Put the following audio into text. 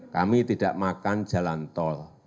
kami tidak makan jalan tol